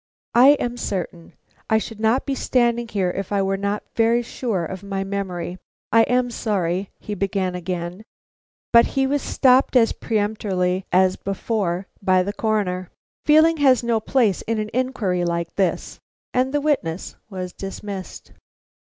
"I am certain. I should not be standing here if I were not very sure of my memory. I am sorry," he began again, but he was stopped as peremptorily as before by the Coroner. "Feeling has no place in an inquiry like this." And the witness was dismissed.